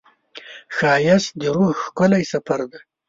ښایست د روح ښکلی سفر دی